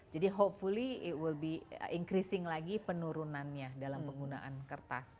jadi hopefully it will be increasing lagi penurunannya dalam penggunaan kertas